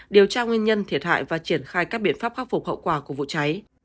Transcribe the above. điều tra nguyên nhân thiệt hại và triển khai các biện pháp khắc phục hậu quả của vụ cháy